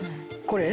これ？